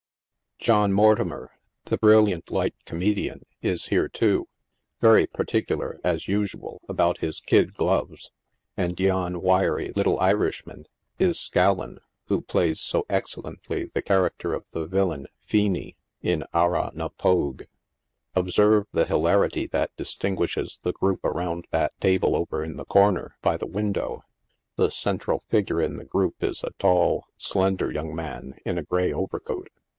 John Mortimer, the brilliant light comedian, is here, too, very particular, as usual, about his kid gloves, and yon wiry little Irishman is Scallan, who plays so excel lently the character of the villain, Feeny, in " Arrah na Pogue." Observe the hilarity that distinguishes the group around tbat table over in the corner, by the window. The central figure in the group is a tall, slender young man, in a grey overcoat.